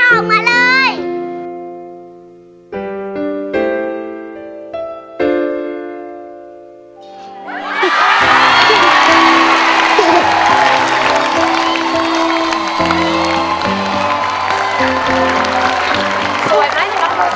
สวยไหมลองดูสิ